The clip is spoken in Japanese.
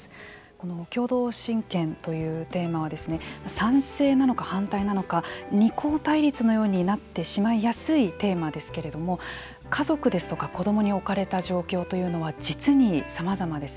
この共同親権というテーマは賛成なのか反対なのか二項対立のようになってしまいやすいテーマですけれども家族ですとか子どもに置かれた状況というのは実にさまざまです。